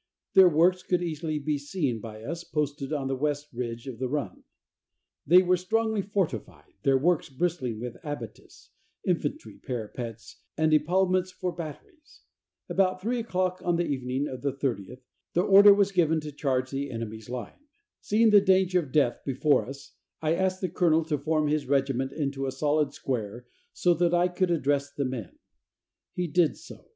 Their works could easily be seen by us posted on the west ridge of the run. They were strongly fortified, their works bristling with abatis, infantry parapets and epaulements for batteries. About 3 o'clock on the evening of the 30th the order was given to charge the enemy's line. Seeing the danger of death before us I asked the colonel to form his regiment into a solid square so that I could address the men. He did so.